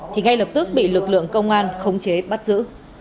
thì ngay lập tức bị lực lượng công an khống chế bắt giữ